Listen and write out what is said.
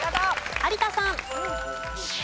有田さん。